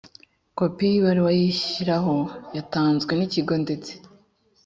kopi y ibaruwa iyishyiraho yatanzwe n ikigo ndetse